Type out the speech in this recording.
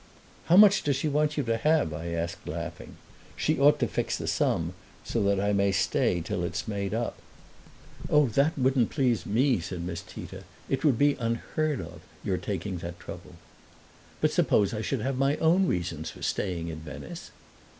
"How much does she want you to have?" I asked, laughing. "She ought to fix the sum, so that I may stay till it's made up." "Oh, that wouldn't please me," said Miss Tita. "It would be unheard of, your taking that trouble." "But suppose I should have my own reasons for staying in Venice?"